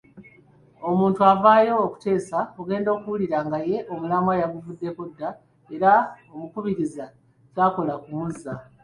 Omuntu avaayo okuteesa ogenda okuwulira nga ye omulamwa yaguvuddeko dda era omukubiriza ky'akola kumuzza.